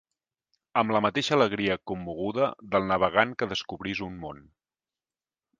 Amb la mateixa alegria commoguda del navegant que descobrís un món.